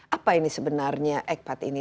apa ini sebenarnya ekpat ini